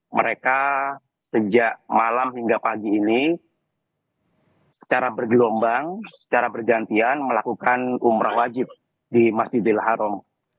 mereka sejak malam hingga pagi ini secara bergelombang secara bergantian melakukan umroh wajib di masjidil haram